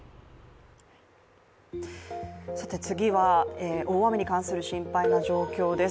次は大雨に関する心配な状況です。